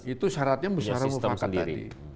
itu syaratnya muisharah mufakat tadi